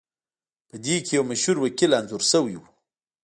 پدې کې یو مشهور وکیل انځور شوی و